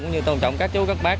cũng như tôn trọng các chú các bác